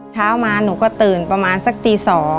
เช้ามาหนูก็ตื่นประมาณสักตี๒